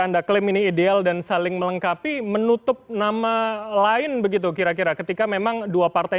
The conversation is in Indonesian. anda klaim ini ideal dan saling melengkapi menutup nama lain begitu kira kira ketika memang dua partai